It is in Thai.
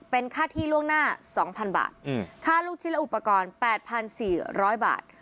เป็นค่าที่ล่วงหน้าสองพันบาทอืมค่าลูกชิ้นและอุปกรณ์แปดพันสี่ร้อยบาท